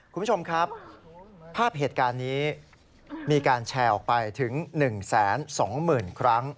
คุณผู้ชมครับภาพเหตุการณ์นี้มีการแชร์ออกไปถึง๑๒๐๐๐ครั้ง